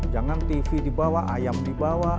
jangan tv dibawa ayam dibawa